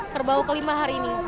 terbau kelima hari ini